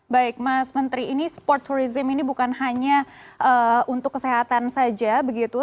baik mas menteri ini sport tourism ini bukan hanya untuk kesehatan saja begitu